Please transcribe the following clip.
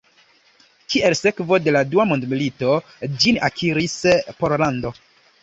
Kiel sekvo de la Dua mondmilito, ĝin akiris Pollando.